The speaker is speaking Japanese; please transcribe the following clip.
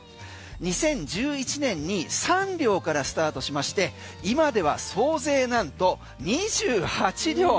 ２０１１年に３両からスタートしまして今では総勢なんと２８両。